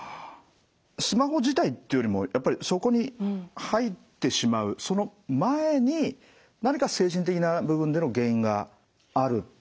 スマホ自体っていうよりもそこに入ってしまうその前に何か精神的な部分での原因があるっていう感じなんですかね？